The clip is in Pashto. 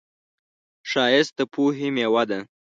ښایست د پوهې میوه ده